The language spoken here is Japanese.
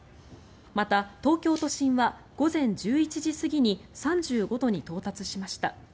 また、東京都心は午前１１時過ぎに３５度に到達しました。